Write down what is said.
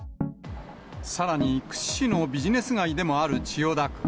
さらに、屈指のビジネス街でもある千代田区。